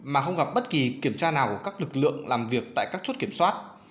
mà không gặp bất kỳ kiểm tra nào của các lực lượng làm việc tại các chốt kiểm soát